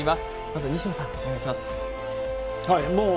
まず西野さん、お願いします。